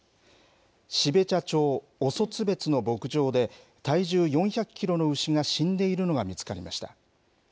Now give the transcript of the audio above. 標茶町オソツベツの牧場で、体重４００キロの牛が死んでいるのが見つかりました。